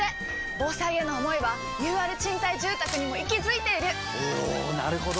防災への想いはＵＲ賃貸住宅にも息づいているおなるほど！